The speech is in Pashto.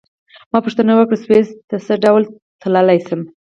ما پوښتنه وکړه: سویس ته څه ډول تلای شم؟